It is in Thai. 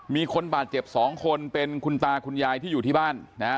มีคนบาดเจ็บ๒คนเป็นคุณตาคุณยายที่อยู่ที่บ้านนะฮะ